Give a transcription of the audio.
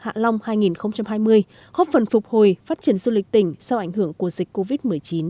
hạ long hai nghìn hai mươi góp phần phục hồi phát triển du lịch tỉnh sau ảnh hưởng của dịch covid một mươi chín